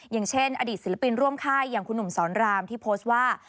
อย่างเช่นอดีตศิลปินร่วมค่ายอย่างคุณหนุ่มสอนรามที่โพสต์ว่า